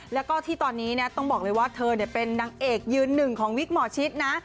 แล้วก็ที่ตอนนี้ต้องบอกเลยว่าเธอเป็นนางเอกยืนหนึ่งของวิกหมอชิดนะ